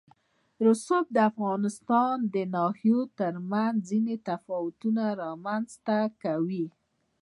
رسوب د افغانستان د ناحیو ترمنځ ځینې تفاوتونه رامنځ ته کوي.